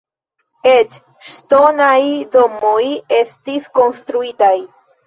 Eĉ ŝtonaj domoj estis konstruitaj.